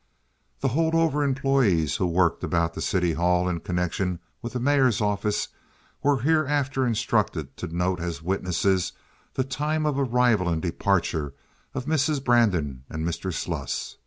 The hold over employees who worked about the City Hall in connection with the mayor's office were hereafter instructed to note as witnesses the times of arrival and departure of Mrs. Brandon and Mr. Sluss.